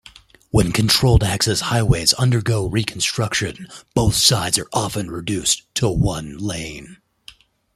When controlled-access highways undergo reconstruction, both sides are often reduced to one lane.